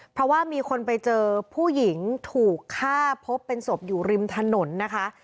เพราะว่ามีคนไปเจอผู้หญิงถูกฆ่าพบเป็นศพอยู่ริมถนนนะคะ